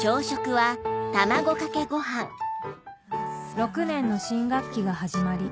６年の新学期が始まり